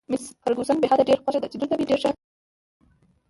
مس فرګوسن: بې حده، ډېره خوښه ده چې دلته مې ډېر ښه تېرېږي.